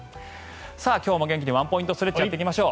今日も元気にワンポイントストレッチをやっていきましょう。